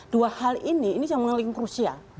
dua hal ini ini yang mengelilingi rusia